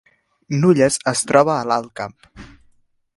Nulles es troba a l’Alt Camp